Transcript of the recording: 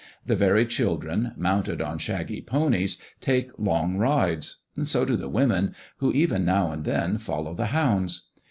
The very children, mounted on shaggy ponies, take long rides; so do the women, who even now and then follow the hounds.